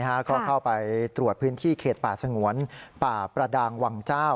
ก็เข้าไปตรวจพื้นที่เขตป่าสงวนป่าประดางวังเจ้า